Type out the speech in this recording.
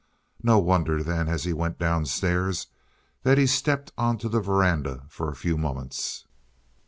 No wonder, then, as he went downstairs, that he stepped onto the veranda for a few moments.